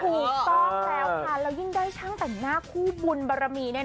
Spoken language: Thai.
ถูกต้องแล้วค่ะแล้วยิ่งได้ช่างแต่งหน้าคู่บุญบารมี